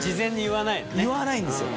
言わないんですよ。